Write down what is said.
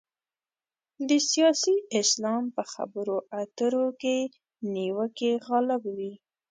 د سیاسي اسلام په خبرو اترو کې نیوکې غالب وي.